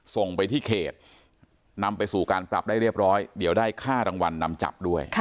ส่งไปที่เขตนำไปสู่การปรับได้เรียบร้อยเดี๋ยวได้ค่ารางวัลนำจับด้วย